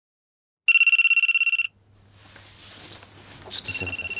ちょっとすいません。